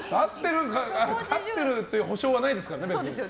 合ってるっていう保証はないですからね、別に。